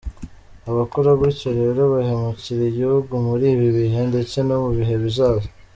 Abakora gutyo rero bahemukira igihugu muri ibi bihe ndetse no mubihe bizaza.